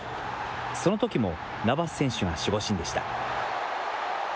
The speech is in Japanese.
そのときもナバス選手が守護神でした。